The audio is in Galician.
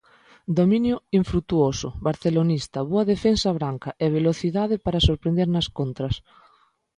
Dominio infrutuoso barcelonista, boa defensa branca, e velocidade para sorprender nas contras.